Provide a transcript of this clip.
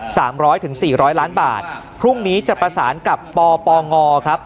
สามร้อยถึงสี่ร้อยล้านบาทพรุ่งนี้จะประสานกับปปงครับ